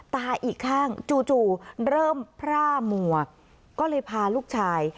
อีกข้างจู่เริ่มพร่ามัวก็เลยพาลูกชาย